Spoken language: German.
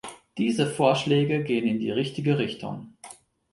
Diese Vorschläge gehen in die richtige Richtung.